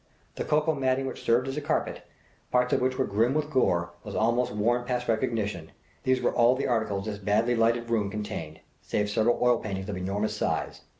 The cocoa matting which served as a carpet, parts of which were grim with gore, was almost worn past recognition. These were all the articles this badly lighted room contained, save several oil paintings of enormous size.